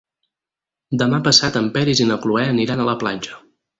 Demà passat en Peris i na Cloè aniran a la platja.